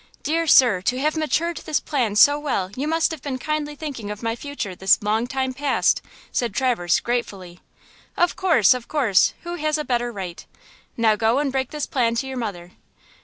"Dear sir, to have matured this plan so well you must have been kindly thinking of my future this long time past!" said Traverse, gratefully. "Of course–of course! Who has a better right? Now go and break this plan to your mother."